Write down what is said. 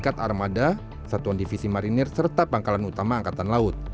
ikat armada satuan divisi marinir serta pangkalan utama angkatan laut